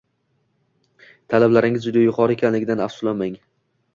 Talablaringiz juda yuqori ekanligidan afsuslanmang.